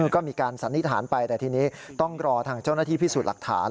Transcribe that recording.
ก็มีการสันนิษฐานไปแต่ทีนี้ต้องรอทางเจ้าหน้าที่พิสูจน์หลักฐาน